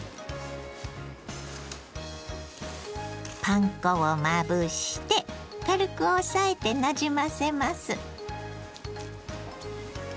パン粉をまぶして軽く押さえてなじませます。